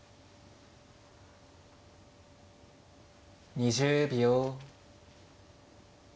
２０秒。